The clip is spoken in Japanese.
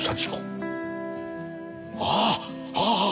ああああ。